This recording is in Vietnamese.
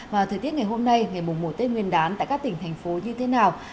và thời tiết ngày hôm nay ngày mùa một tết nguyên đán tại các tỉnh thành phố như thế nào